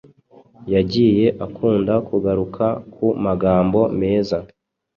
yagiye akunda kugaruka ku magambo meza